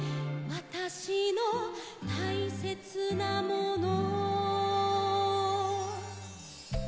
「わたしのたいせつなもの」